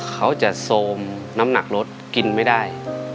เขาจะโซมน้ำหนักรถกินไม่ได้